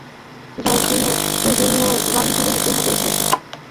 জয়ের জন্য প্রয়োজনীয় রান তুলে নিতে খুব একটা বেগ পেতে হয়নি পাকিস্তানকে।